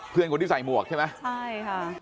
เพื่อนคนที่ใส่หมวกใช่ไหมใช่ค่ะ